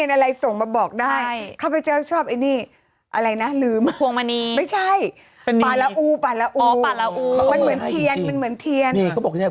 เออนี่ก็ไปกับเย็นเหมณ์เลยดีกว่า